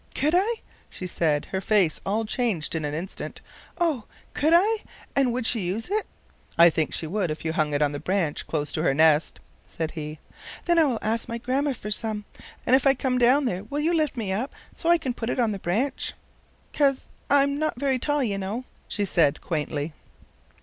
"Could I?" she said, her face all changed in an instant. "Oh! Could I? And would she use it?" "I think she would if you hung it on the branch close to her nest," said he. "Then I will ask my grandma for some; and if I come down there will you lift me up, so I can put it on the branch? 'Cause I'm not very tall, you know," she said quaintly.